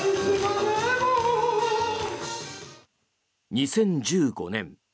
２０１５年